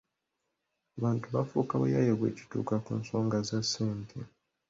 Abantu baafuuka bayaaye bwe kituuka ku nsonga za ssente.